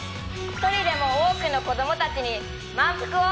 一人でも多くの子どもたちに満腹を。